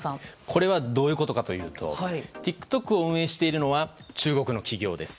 これはどういうことかというとＴｉｋＴｏｋを運営しているのは中国の企業です。